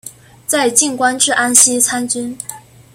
在晋官至安西参军。